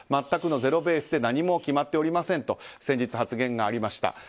全くのゼロベースで何も決まっておりませんと先日、発言がありました。